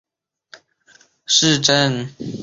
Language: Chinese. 卢德维格斯塔特是德国巴伐利亚州的一个市镇。